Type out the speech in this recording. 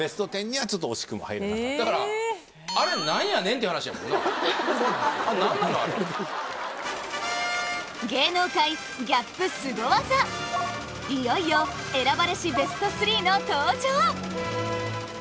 アレ芸能界ギャップすご技いよいよ選ばれしＢＥＳＴ３の登場！